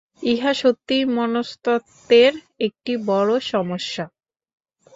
ইহা সত্যই মনস্তত্ত্বের একটি বড় সমস্যা।